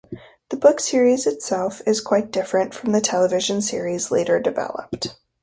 The book series itself is quite different from the television series later developed.